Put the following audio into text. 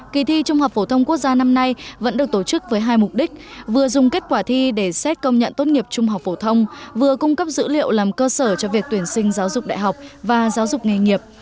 kỳ thi trung học phổ thông quốc gia năm nay vẫn được tổ chức với hai mục đích vừa dùng kết quả thi để xét công nhận tốt nghiệp trung học phổ thông vừa cung cấp dữ liệu làm cơ sở cho việc tuyển sinh giáo dục đại học và giáo dục nghề nghiệp